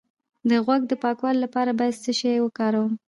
د غوږ د پاکوالي لپاره باید څه شی وکاروم؟